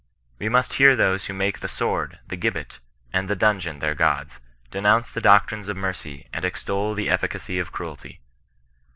We must hear those who make the sword, the gibbet, and the dun geon their gods, denounce the doctrines of mercy, and extol the efficacy of cruelty.